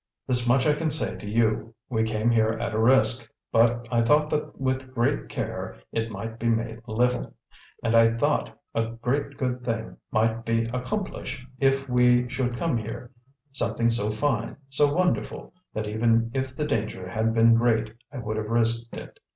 This much I can say to you: we came here at a risk, but I thought that with great care it might be made little. And I thought a great good thing might be accomplish if we should come here, something so fine, so wonderful, that even if the danger had been great I would have risked it.